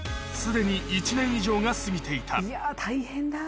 すでに１年以上が過ぎていた。